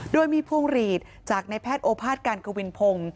โดยมีพวงหลีดจากในแพทย์โอภาษการกวินพงศ์